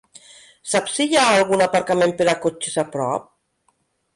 Saps si hi ha algun aparcament per a cotxes a prop?